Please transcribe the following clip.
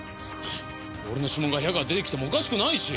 俺の指紋が部屋から出てきてもおかしくないし！